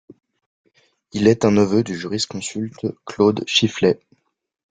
Il est un neveu du jurisconsulte Claude Chifflet.